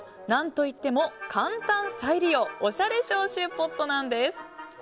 何と言っても、簡単再利用おしゃれ消臭ポットなんです。